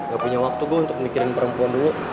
gak punya waktu gue untuk mikirin perempuan dulu